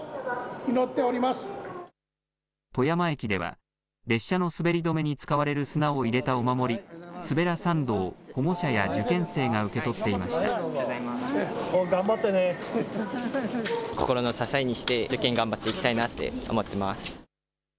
富山駅では列車の滑り止めに使われる砂を入れたお守り、すべらサンドを保護者や受験生が受け取っていました。